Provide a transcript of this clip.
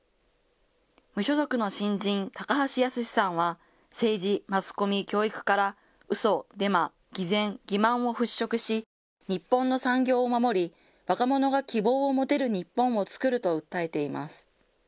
無所属の新人、高橋易資さんは政治、マスコミ、教育からうそ、デマ、偽善、欺まんを払拭し、日本の産業を守り、若者が希望を持てる日本をつくると訴えています。